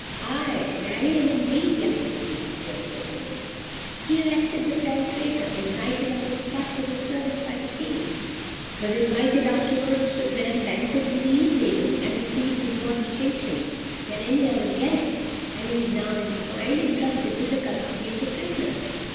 "Ay, marry and indeed, young mistress," rejoined Sir Thomas. "He arrested the fell traitor; was knighted on the spot for the service, by the King; was invited afterwards to the grand banquet in the evening, and received with more distinction than any other guest; and he is now, as you find, entrusted with the custody of the prisoner.